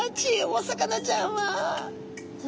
お魚ちゃんは？